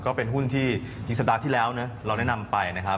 ก็เป็นหุ้นที่จริงสัปดาห์ที่แล้วนะเราแนะนำไปนะครับ